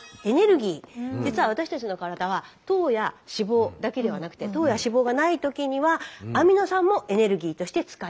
実は私たちの体は糖や脂肪だけではなくて糖や脂肪がないときにはアミノ酸もエネルギーとして使います。